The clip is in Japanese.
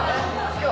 今日？